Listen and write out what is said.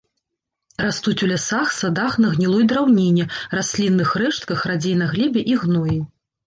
Растуць у лясах, садах на гнілой драўніне, раслінных рэштках, радзей на глебе і гноі.